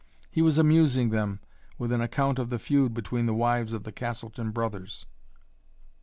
He was amusing them with an account of the feud between the wives of the Castleton brothers.